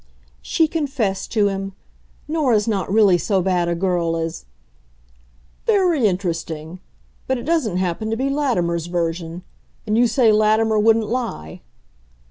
"She confessed to him. Nora's not really so bad a girl as " "Very interesting! But it doesn't happen to be Latimer's version. And you say Latimer wouldn't lie."